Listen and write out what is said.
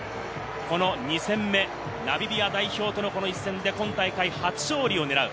この２戦目、ナミビア代表との一戦で今大会初勝利を狙う。